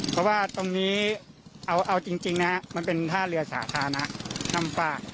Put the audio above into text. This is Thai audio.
เพราะว่าตรงนี้เอาจริงนะมันเป็นท่าเรือสาธารณะนำฝาก